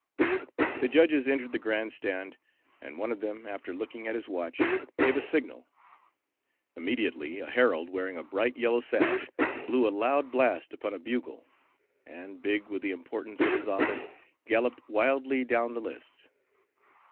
The judges entered the grand stand, and one of them, after looking at his watch, gave a signal. Immediately a herald, wearing a bright yellow sash, blew a loud blast upon a bugle, and, big with the importance of his office, galloped wildly down the lists.